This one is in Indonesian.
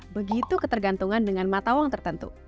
begitu ketergantungan dengan mata uang tertentu